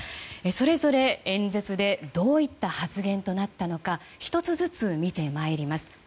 それぞれ演説でどういった発言となったのか１つずつ見てまいります。